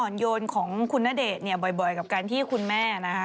โยนของคุณณเดชน์เนี่ยบ่อยกับการที่คุณแม่นะคะ